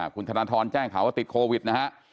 คุณธนทรแจ้งข่าวว่าติดโควิดนะฮะ